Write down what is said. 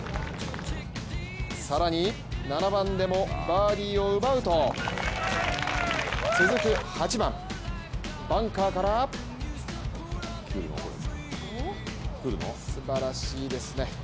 更に、７番でもバーディーを奪うと続く８番、バンカーからすばらしいですね。